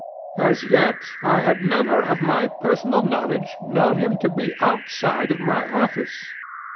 As yet I had never of my personal knowledge known him to be outside of my office.